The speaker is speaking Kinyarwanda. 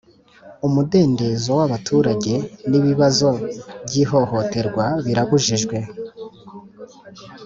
Umudendezo w ‘abaturage n’ibibazo by ‘ihohoterwa birabujijwe.